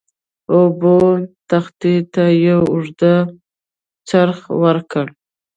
اوبو تختې ته یو اوږد څرخ ورکړ.